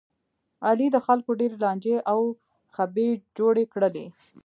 علي د خلکو ډېرې لانجې او خبې جوړې کړلې.